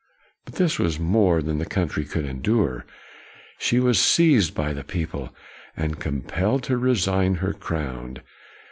But this was more than the country could endure. She was seized by the people and compelled to resign her crown.